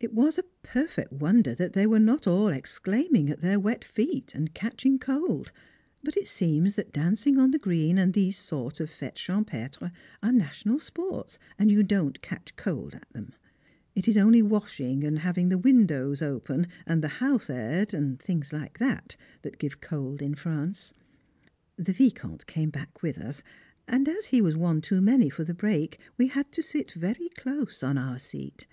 It was a perfect wonder that they were not all exclaiming at their wet feet, and catching cold; but it seems that dancing on the green and these sort of fêtes champêtres are national sports, and you don't catch cold at them. It is only washing, and having the windows open, and the house aired, and things like that, that give cold in France. The Vicomte came back with us, and, as he was one too many for the brake, we had to sit very close on our seat.